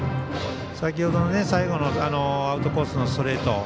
先ほどの最後のアウトコースのストレート